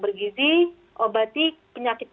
bergizi obati penyakit